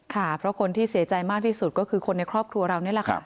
ค่ะเพราะคนที่เสียใจมากที่สุดก็คือคนในครอบครัวเรานี่แหละค่ะ